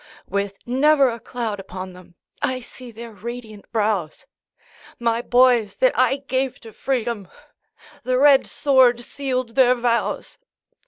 With never a cloud upon them, I see their radiant brows; My boys that I gave to freedom, The red sword sealed their vows!